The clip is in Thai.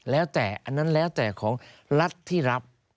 แล้วแต่อันนั้นแล้วแต่ของรัฐที่รับ